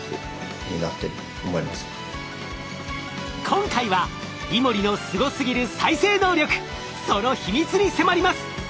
今回はイモリのすごすぎる再生能力その秘密に迫ります。